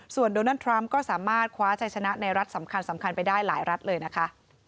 ส่วนโดนัลดทรัมป์ก็สามารถคว้าชัยชนะในรัฐสำคัญไปได้หลายรัฐเลยนะคะ